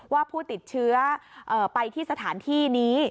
ว่าผู้ติดเชื้อไปที่สถานที่นี้